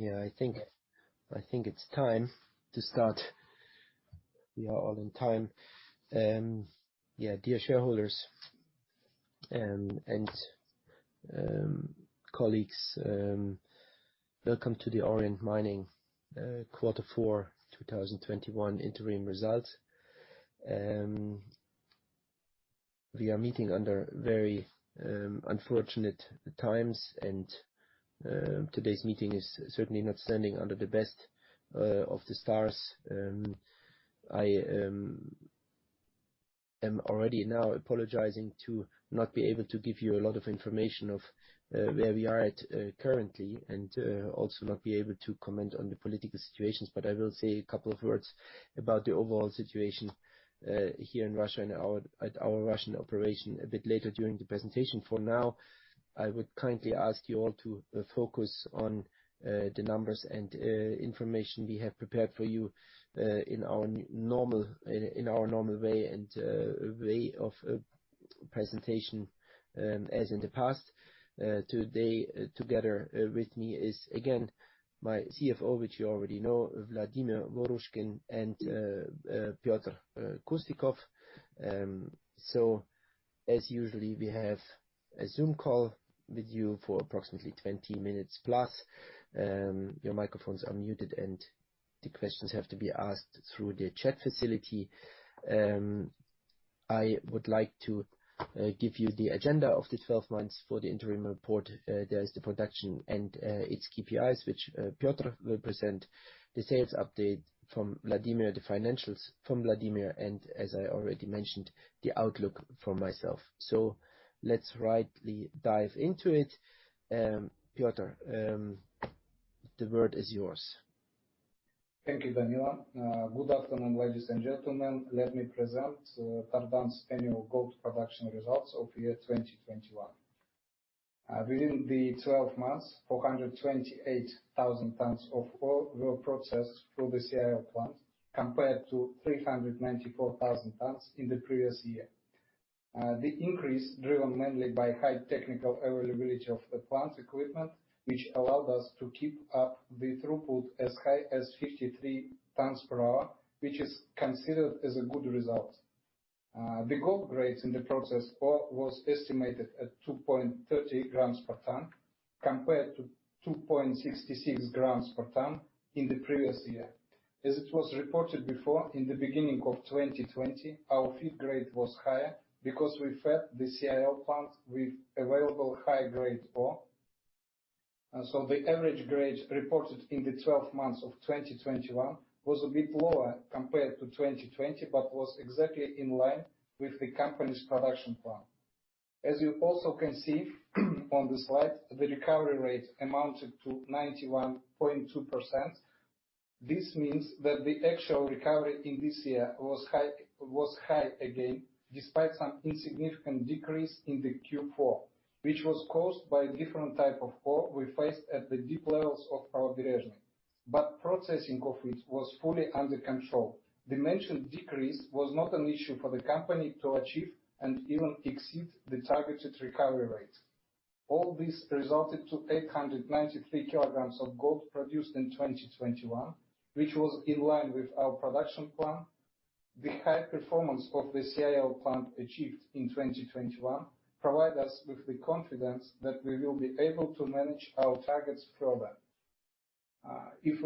I think it's time to start. We are on time. Yeah, dear shareholders and colleagues, welcome to the Auriant Mining quarter four 2021 interim results. We are meeting under very unfortunate times and today's meeting is certainly not standing under the best of the stars. I am already now apologizing to not be able to give you a lot of information of where we are at currently, and also not be able to comment on the political situations. I will say a couple of words about the overall situation here in Russia and at our Russian operation a bit later during the presentation. For now, I would kindly ask you all to focus on the numbers and information we have prepared for you in our normal way of presentation as in the past. Today together with me is again my CFO, which you already know, Vladimir Vorushkin and Petr Kustikov. As usual, we have a Zoom call with you for approximately 20 minutes+. Your microphones are muted, and the questions have to be asked through the chat facility. I would like to give you the agenda of the 12 months for the interim report. There is the production and its KPIs, which Petr will present. The sales update from Vladimir, the financials from Vladimir, and as I already mentioned, the outlook from myself. Let's rightly dive into it. Petr, the word is yours. Thank you, Danilo. Good afternoon, ladies and gentlemen. Let me present Tardan's annual gold production results of year 2021. Within the 12 months, 428,000 tons of ore were processed through the CIL Plant, compared to 394,000 tons in the previous year. The increase driven mainly by high technical availability of the plant equipment, which allowed us to keep up the throughput as high as 53 tons per hour, which is considered as a good result. The gold grades in the processed ore was estimated at 2.30 grams per ton, compared to 2.66 grams per ton in the previous year. As it was reported before, in the beginning of 2020, our feed grade was higher because we fed the CIL Plant with available high-grade ore. The average grade reported in the 12 months of 2021 was a bit lower compared to 2020, but was exactly in line with the company's production plan. As you also can see on the slide, the recovery rate amounted to 91.2%. This means that the actual recovery in this year was high again, despite some insignificant decrease in the Q4, which was caused by a different type of ore we faced at the deep levels of Pravoberezhny, but processing of it was fully under control. The mentioned decrease was not an issue for the company to achieve and even exceed the targeted recovery rate. All this resulted to 893 kilograms of gold produced in 2021, which was in line with our production plan. The high performance of the CIL Plant achieved in 2021 provide us with the confidence that we will be able to manage our targets further. In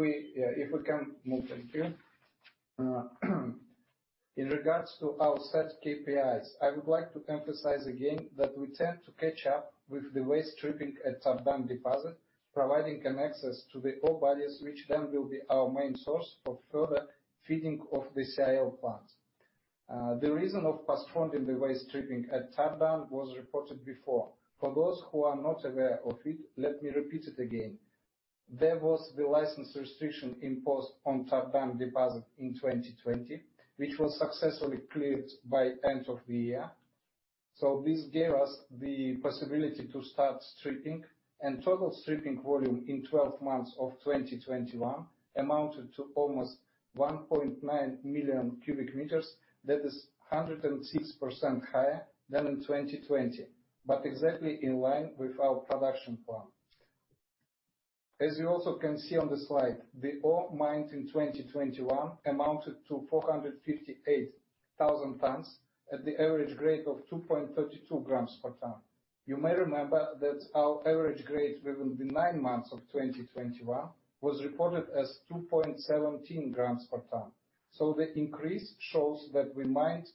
regards to our set KPIs, I would like to emphasize again that we tend to catch up with the waste stripping at Tardan Deposit, providing an access to the ore bodies, which then will be our main source for further feeding of the CIL Plant. The reason of postponing the waste stripping at Tardan was reported before. For those who are not aware of it, let me repeat it again. There was the license restriction imposed on Tardan Deposit in 2020, which was successfully cleared by end of the year. This gave us the possibility to start stripping. Total stripping volume in 12 months of 2021 amounted to almost 1.9 million cubic meters. That is 106% higher than in 2020, but exactly in line with our production plan. As you also can see on the slide, the ore mined in 2021 amounted to 458,000 tons at the average grade of 2.32 grams per ton. You may remember that our average grade within the nine months of 2021 was reported as 2.17 grams per ton. The increase shows that we mined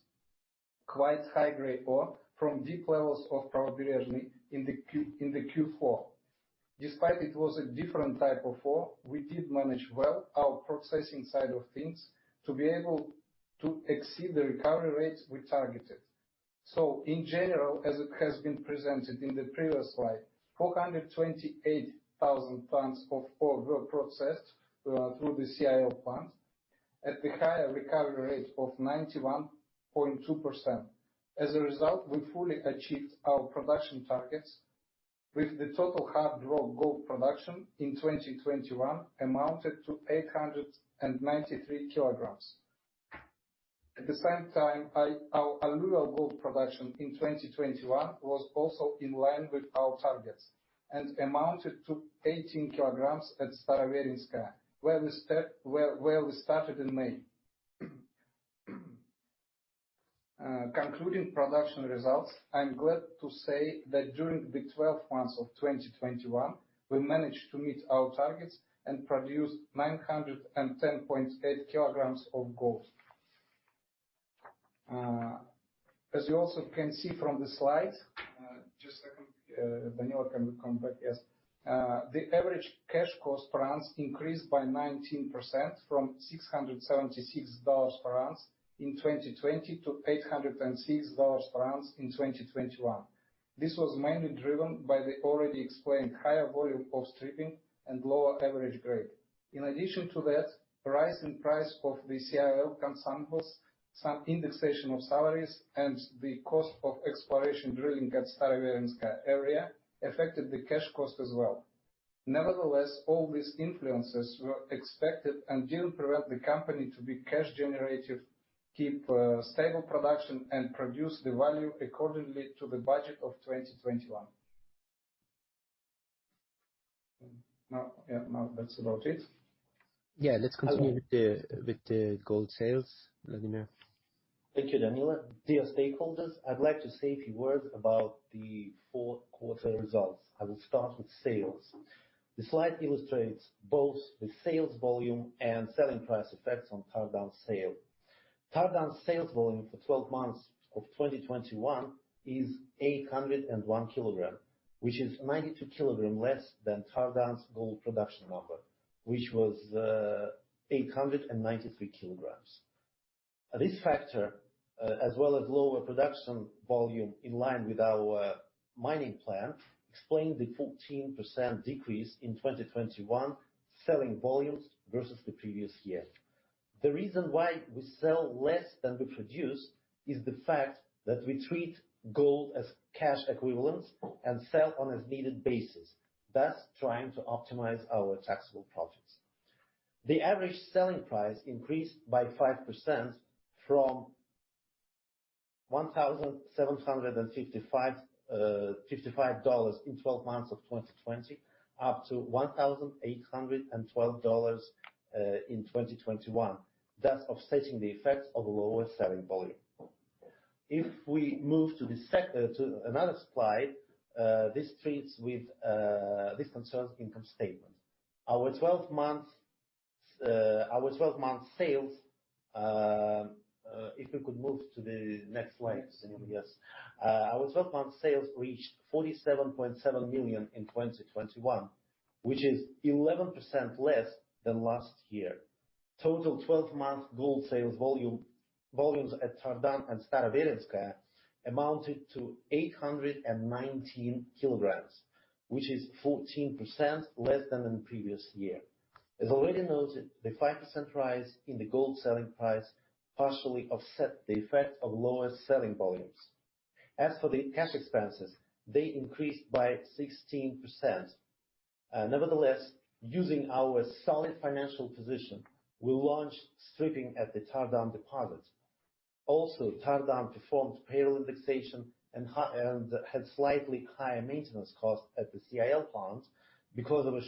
quite high-grade ore from deep levels of Pravoberezhny in the Q4. Despite it was a different type of ore, we did manage well our processing side of things to be able to exceed the recovery rates we targeted. In general, as it has been presented in the previous slide, 428,000 tons of ore were processed through the CIL Plant at the higher recovery rate of 91.2%. As a result, we fully achieved our production targets with the total hard rock gold production in 2021 amounted to 893 kilograms. At the same time, our alluvial gold production in 2021 was also in line with our targets and amounted to 18 kilograms at Staroverinskaya, where we started in May. Concluding production results, I'm glad to say that during the 12 months of 2021, we managed to meet our targets and produce 910.8 kilograms of gold. As you also can see from the slide. Just a second. Danilo, can we come back? Yes. The average cash cost per ounce increased by 19% from $676 per ounce in 2020 to $806 per ounce in 2021. This was mainly driven by the already explained higher volume of stripping and lower average grade. In addition to that, rise in price of the CIL consumables, some indexation of salaries, and the cost of exploration drilling at Staroverinskaya area affected the cash cost as well. Nevertheless, all these influences were expected and didn't prevent the company to be cash generative, keep stable production, and produce the value according to the budget of 2021. Now that's about it. Yeah. Let's continue with the gold sales. Vladimir. Thank you, Danilo. Dear stakeholders, I'd like to say a few words about the fourth quarter results. I will start with sales. The slide illustrates both the sales volume and selling price effects on Tardan sale. Tardan's sales volume for 12 months of 2021 is 801 kilograms, which is 92 kilograms less than Tardan's gold production number, which was 893 kilograms. This factor, as well as lower production volume in line with our mining plan, explains the 14% decrease in 2021 selling volumes versus the previous year. The reason why we sell less than we produce is the fact that we treat gold as cash equivalents and sell on as needed basis, thus trying to optimize our taxable profits. The average selling price increased by 5% from $1,755.55 in 12 months of 2020 up to $1,812 in 2021, thus offsetting the effects of lower selling volume. If we move to another slide, this concerns income statement. Our 12-month sales, if we could move to the next slide, Danilo. Yes. Our 12-month sales reached $47.7 million in 2021, which is 11% less than last year. Total 12-month gold sales volumes at Tardan and Staroverinskaya amounted to 819 kilograms, which is 14% less than the previous year. As already noted, the 5% rise in the gold selling price partially offset the effect of lower selling volumes. As for the cash expenses, they increased by 16%. Nevertheless, using our solid financial position, we launched stripping at the Tardan Deposit. Also, Tardan performed payroll indexation and had slightly higher maintenance costs at the CIL Plant because of a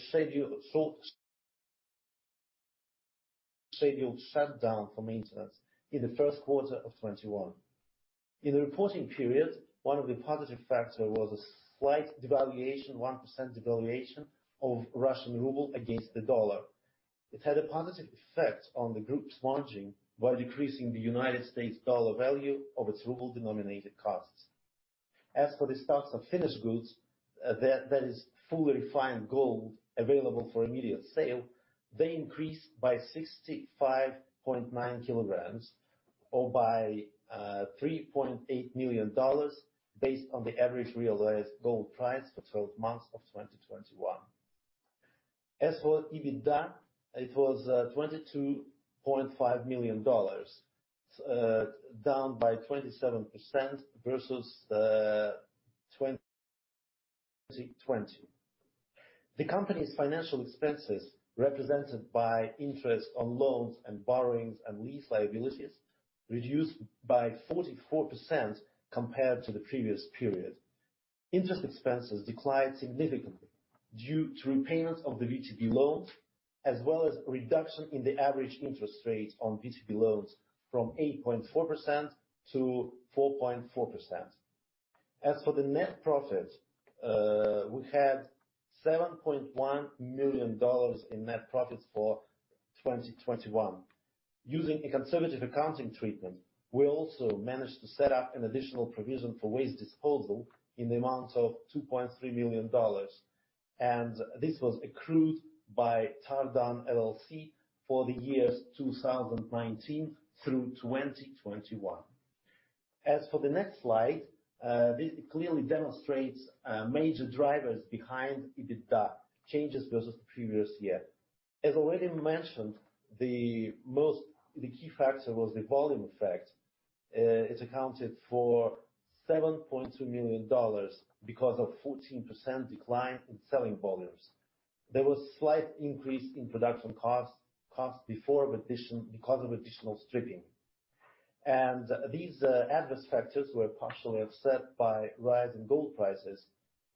scheduled shutdown for maintenance in the first quarter of 2021. In the reporting period, one of the positive factor was a slight devaluation, 1% devaluation of Russian ruble against the dollar. It had a positive effect on the group's margin by decreasing the United States dollar value of its ruble-denominated costs. As for the stocks of finished goods, that is fully refined gold available for immediate sale, they increased by 65.9 kilograms or by $3.8 million based on the average realized gold price for 12 months of 2021. As for EBITDA, it was $22.5 million, down by 27% versus 2020. The company's financial expenses, represented by interest on loans and borrowings and lease liabilities, reduced by 44% compared to the previous period. Interest expenses declined significantly due to repayments of the VTB loans as well as reduction in the average interest rate on VTB loans from 8.4% to 4.4%. As for the net profit, we had $7.1 million in net profits for 2021. Using a conservative accounting treatment, we also managed to set up an additional provision for waste disposal in the amount of $2.3 million, and this was accrued by Tardan LLC for the years 2019 through 2021. As for the next slide, this clearly demonstrates major drivers behind EBITDA changes versus the previous year. As already mentioned, the key factor was the volume effect. It accounted for $7.2 million because of 14% decline in selling volumes. There was slight increase in production costs because of additional stripping. These adverse factors were partially offset by rise in gold prices,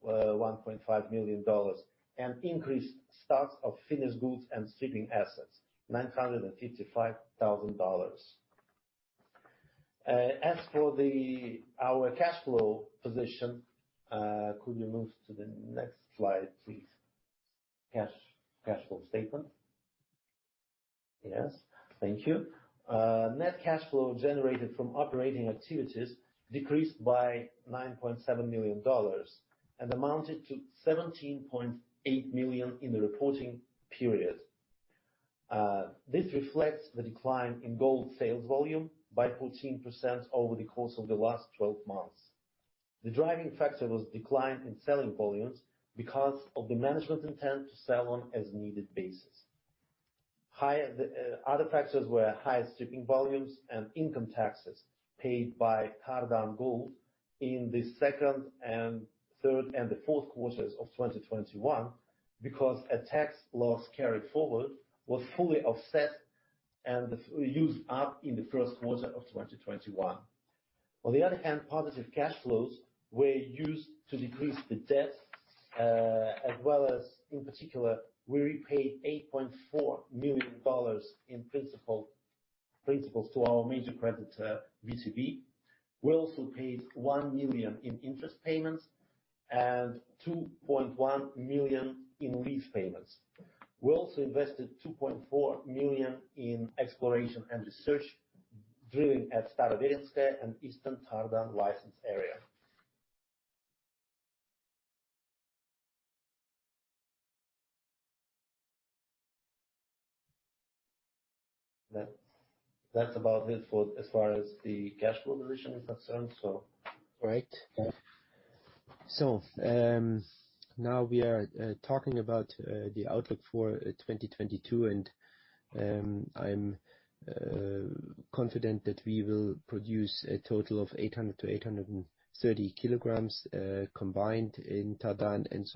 $1.5 million, and increased stocks of finished goods and stripping assets, $955,000. As for our cash flow position, could you move to the next slide, please? Cash flow statement. Yes. Thank you. Net cash flow generated from operating activities decreased by $9.7 million and amounted to $17.8 million in the reporting period. This reflects the decline in gold sales volume by 14% over the course of the last 12 months. The driving factor was decline in selling volumes because of the management intent to sell on as-needed basis. Other factors were high stripping volumes and income taxes paid by Tardan Gold in the second and third and the fourth quarters of 2021, because a tax loss carried forward was fully offset and used up in the first quarter of 2021. On the other hand, positive cash flows were used to decrease the debt, as well as in particular, we repaid $8.4 million in principal to our major creditor, VTB. We also paid $1 million in interest payments and $2.1 million in lease payments. We also invested $2.4 million in exploration and research drilling at Staroverinskaya and Eastern Tardan license area. That's about it for as far as the cash flow position is concerned, so. Great. Now we are talking about the outlook for 2022, and I'm confident that we will produce a total of 800-830 kilograms combined in Tardan and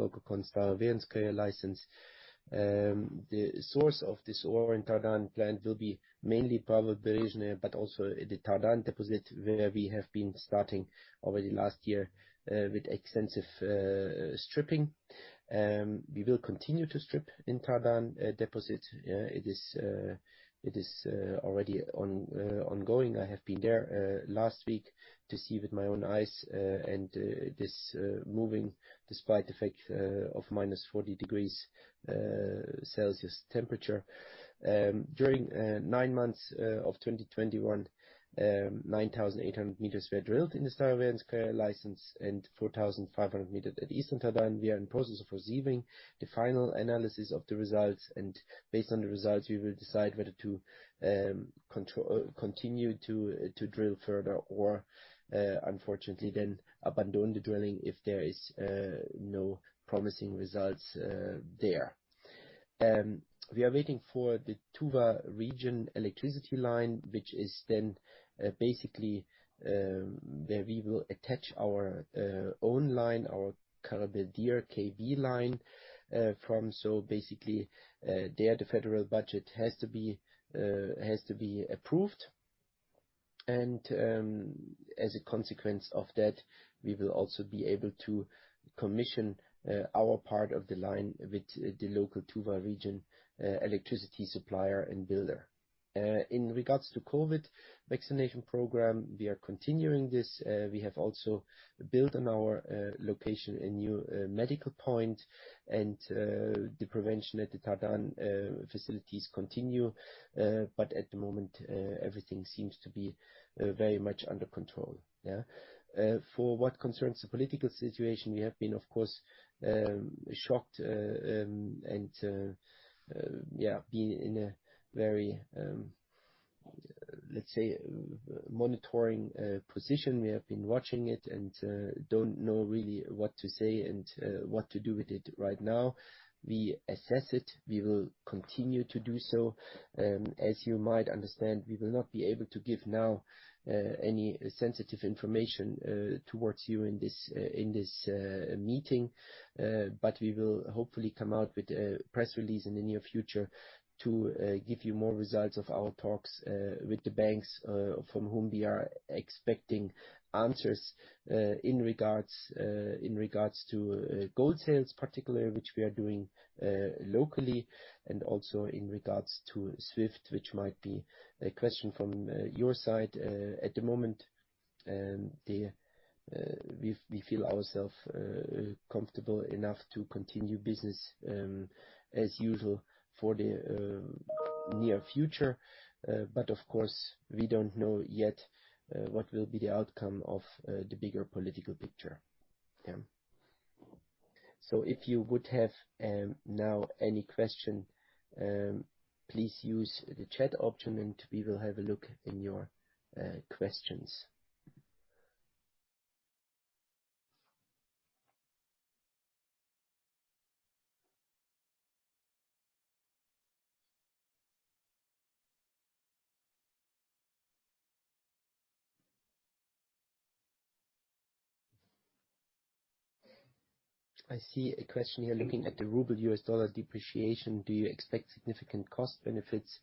I see a question here. Looking at the ruble-US dollar depreciation, do you expect significant cost benefits?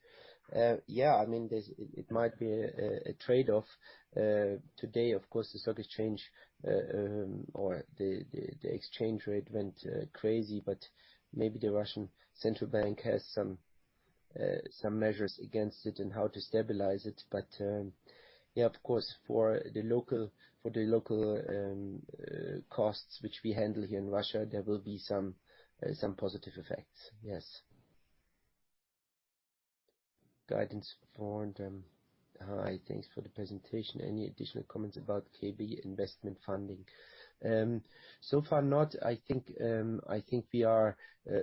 Yeah, I mean, it might be a trade-off. Today, of course, the stock exchange or the exchange rate went crazy, but maybe the Central Bank of Russia has some measures against it and how to stabilize it. Yeah, of course, for the local costs which we handle here in Russia, there will be some positive effects. Yes. Guidance for them. Hi, thanks for the presentation. Any additional comments about KB investment funding? So far not. I think we are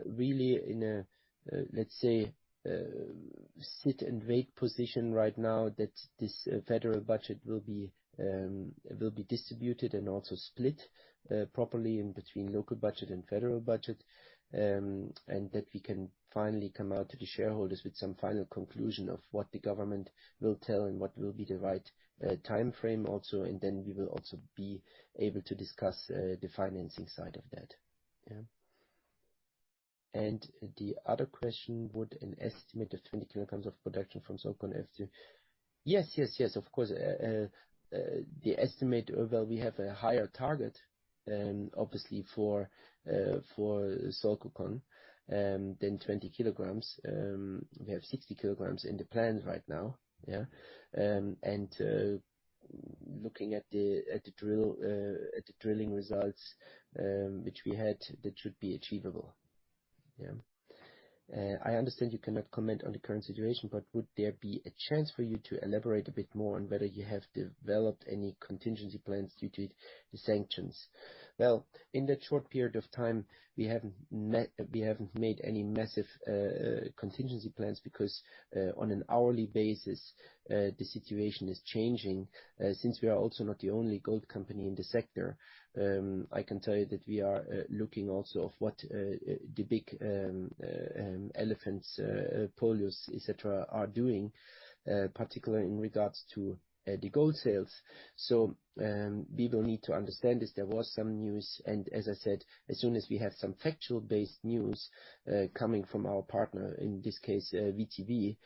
really in a let's say sit-and-wait position right now that this federal budget will be distributed and also split properly in between local budget and federal budget, and that we can finally come out to the shareholders with some final conclusion of what the government will tell and what will be the right timeframe also, and then we will also be able to discuss the financing side of that. Yeah. The other question would an estimate of 20 kilograms of production from Solcocon F2. Yes, of course. The estimate, well, we have a higher target obviously for Solcocon than 20 kilograms. We have 60 kilograms in the plans right now, yeah? Looking at the drilling results, which we had, that should be achievable. Yeah. I understand you cannot comment on the current situation, but would there be a chance for you to elaborate a bit more on whether you have developed any contingency plans due to the sanctions? Well, in that short period of time, we haven't made any massive contingency plans because, on an hourly basis, the situation is changing. Since we are also not the only gold company in the sector, I can tell you that we are looking at what the big elephants, Polyus, et cetera, are doing, particularly in regards to the gold sales. We will need to understand this. There was some news, and as I said, as soon as we have some factual-based news coming from our partner, in this case, VTB,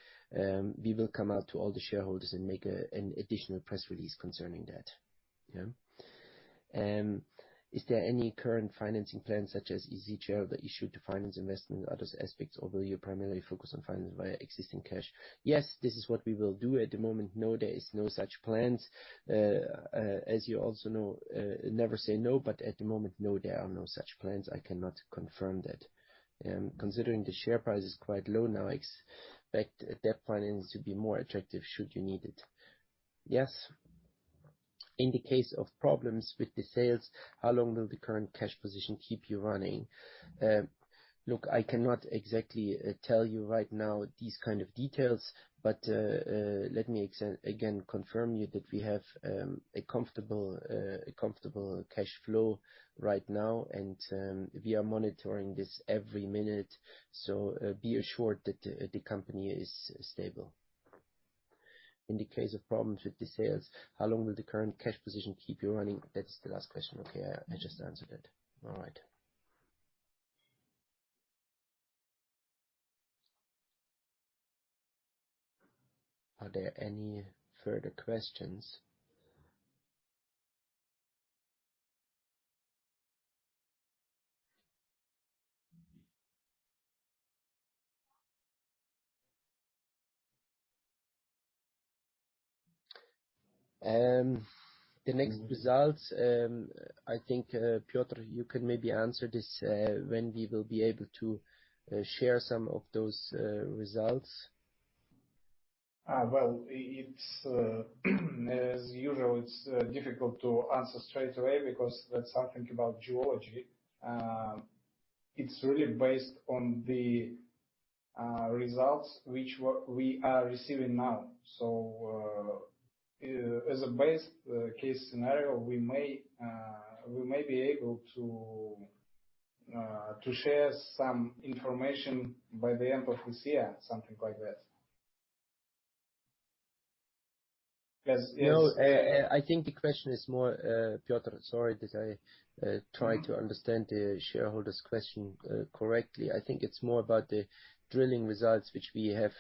we will come out to all the shareholders and make an additional press release concerning that. Is there any current financing plan such as equity share issue to finance investment and other aspects, or will you primarily focus on financing via existing cash? Yes, this is what we will do. At the moment, no, there is no such plans. As you also know, never say no, but at the moment, no, there are no such plans. I cannot confirm that. Considering the share price is quite low now, I expect debt finance to be more attractive should you need it. In the case of problems with the sales, how long will the current cash position keep you running? Look, I cannot exactly tell you right now these kind of details, but, let me again confirm you that we have a comfortable cash flow right now, and we are monitoring this every minute. Be assured that the company is stable. In the case of problems with the sales, how long will the current cash position keep you running? That's the last question. Okay, I just answered it. All right. Are there any further questions? The next results, I think, Petr, you can maybe answer this, when we will be able to share some of those results. Well, it's as usual difficult to answer straight away because that's something about geology. It's really based on the results which we are receiving now. As a base case scenario, we may be able to share some information by the end of this year, something like that. No, I think the question is more, Petr, sorry, that I try to understand the shareholder's question correctly. I think it's more about the drilling results, which we have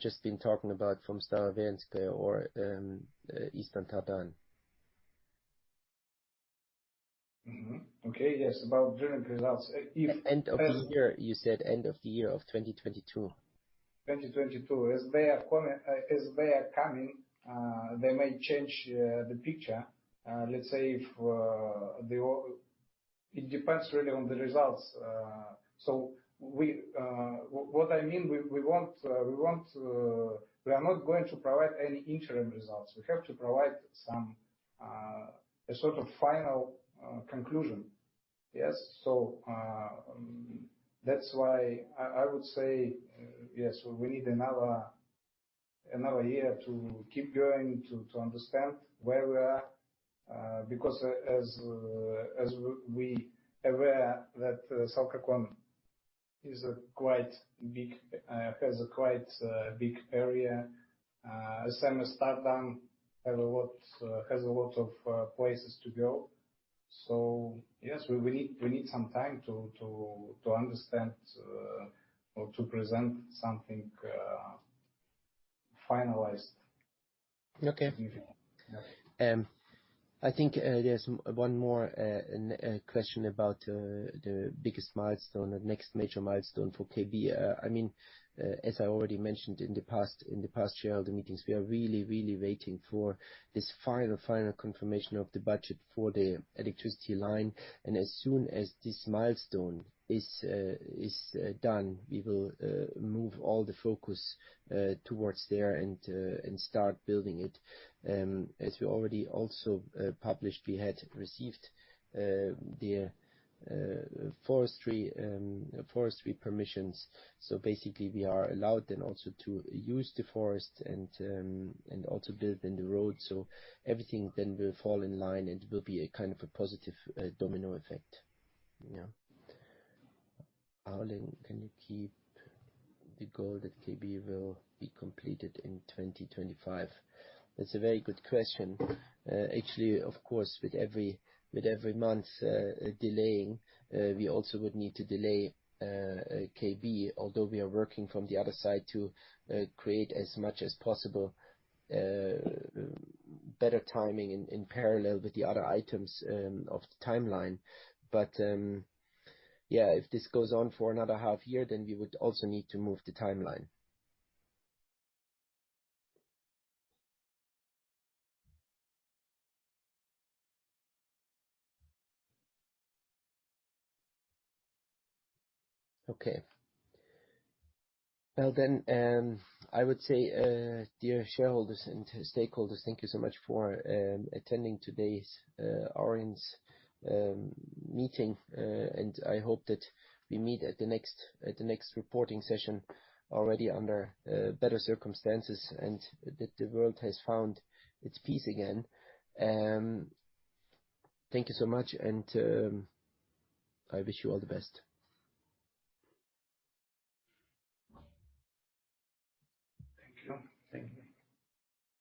just been talking about from Staroverinskaya or Greater Tardan. Mm-hmm. Okay, yes, about drilling results. If End of the year, you said end of the year of 2022. 2022. As they are coming, they may change the picture. Let's say if they all. It depends really on the results. What I mean, we are not going to provide any interim results. We have to provide some a sort of final conclusion. Yes. That's why I would say yes, we need another year to keep going to understand where we are. Because as we are aware that Solcocon has a quite big area. Same as Tardan has a lot of places to go. Yes, we need some time to understand or to present something finalized. Okay. I think there's one more question about the biggest milestone, the next major milestone for KB. I mean, as I already mentioned in the past shareholder meetings, we are really waiting for this final confirmation of the budget for the electricity line, and as soon as this milestone is done, we will move all the focus towards there and start building it. As we already published, we had received the forestry permissions. Basically we are allowed to use the forest and also build the road. Everything will fall in line and will be a kind of positive domino effect. Yeah. How long can you keep the goal that KB will be completed in 2025? That's a very good question. Actually, of course, with every month delaying, we also would need to delay KB, although we are working from the other side to create as much as possible better timing in parallel with the other items of the timeline. Yeah, if this goes on for another half year, then we would also need to move the timeline. Okay. Well, then, I would say, dear shareholders and stakeholders, thank you so much for attending today's Auriant's meeting. I hope that we meet at the next reporting session already under better circumstances and that the world has found its peace again. Thank you so much, and I wish you all the best. Thank you. Thank you.